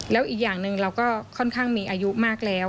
แล้วอีกอย่างหนึ่งเราก็ค่อนข้างมีอายุมากแล้ว